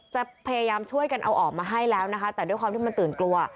จะพยายามช่วยกันเอาออกมาให้แล้วนะคะแต่ด้วยความที่มันตื่นกลัว